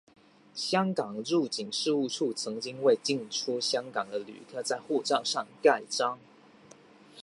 香港入境事务处曾经为进出香港的旅客在护照上盖章。